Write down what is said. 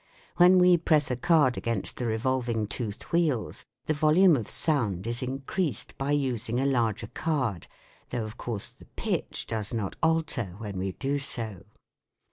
When we press a card against the revolving toothed wheels the volume of sound is increased by using a larger card, though of course the pitch does not alter when we do so.